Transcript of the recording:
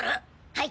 はい。